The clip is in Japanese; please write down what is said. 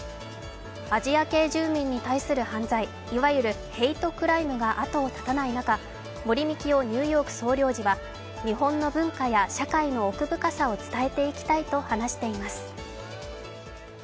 アジア系住民に対する犯罪、いわゆるヘイトクライムが後を絶たない中、森美樹夫ニューヨーク総領事は日本の文化や社会の奥深さを伝えていきたいと話しています。